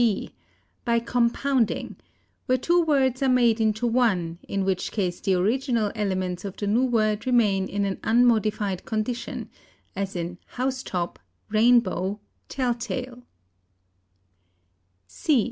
b. By compounding, where two words are made into one, in which case the original elements of the new word remain in an unmodified condition, as in house top, rain bow, tell tale. _c.